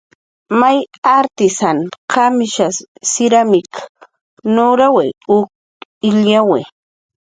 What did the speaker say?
May artisan qamish siramik nuraw uk illyawi